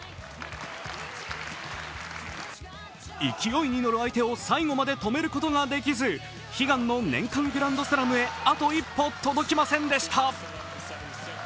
勢いに乗る相手を最後まで止めることができず悲願の年間グランドスラムへあと一歩届きませんでした。